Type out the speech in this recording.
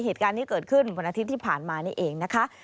เหตุการณ์นี้เกิดขึ้นวันอาทิตย์ที่ผ่านมานี่เองนะคะ